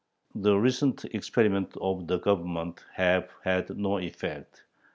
The recent experiments of the Government have had no effect.